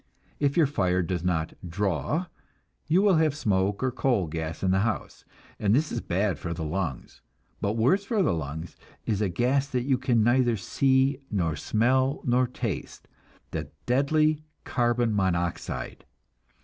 If your fire does not "draw," you will have smoke or coal gas in the house, and this is bad for the lungs; but worse for the lungs is a gas that you can neither see nor smell nor taste, the deadly carbon monoxide.